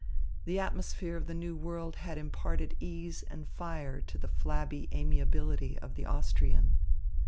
The atmosphere of the New World had imparted ease and fire to the flabby amiability of the Austrian.